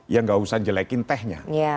ya gak usah jelekin tehnya